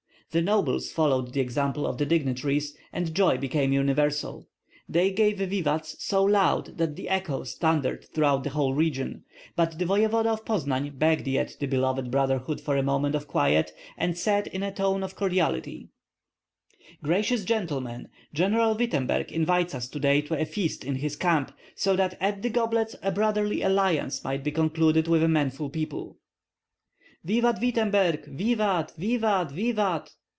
The nobles followed the example of the dignitaries, and joy became universal. They gave vivats so loud that the echoes thundered throughout the whole region. But the voevoda of Poznan begged yet the beloved brotherhood for a moment of quiet, and said in a tone of cordiality, "Gracious gentlemen! General Wittemberg invites us today to a feast in his camp, so that at the goblets a brotherly alliance may be concluded with a manful people." "Vivat Wittemberg! vivat! vivat! vivat!"